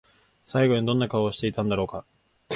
最後にどんな顔をしていたんだろうか？